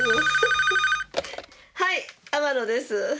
はい天野です。